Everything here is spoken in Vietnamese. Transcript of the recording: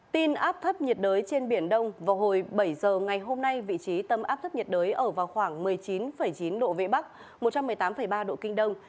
tin áp thấp nhiệt đới trên biển đông vào hồi bảy giờ ngày hôm nay vị trí tâm áp thấp nhiệt đới ở vào khoảng một mươi chín chín độ vĩ bắc một trăm một mươi tám ba độ kinh đông